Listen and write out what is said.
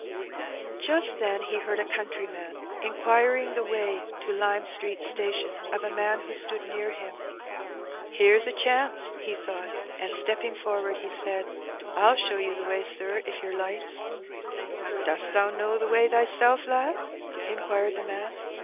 Just then he heard a countryman inquiring the way to Lime Street Station, of a man who stood near him. ''Here's a chance," he thought; and, stepping forward, he said, " I'll show you the way, sir, if yer likes." "Dost thee know th' way thysel', lad?" inquired the man.